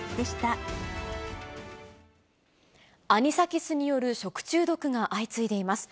アニサキスによる食中毒が相次いでいます。